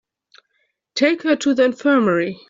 Take her to the infirmary.